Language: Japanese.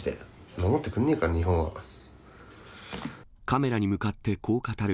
守ってくれねえから、カメラに向かってこう語る、